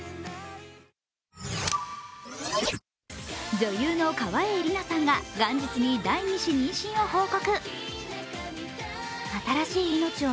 女優の川栄李奈さんが元日に第２子妊娠を報告。